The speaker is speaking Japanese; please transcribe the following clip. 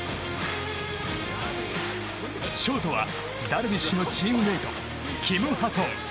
ショートはダルビッシュのチームメート、キム・ハソン。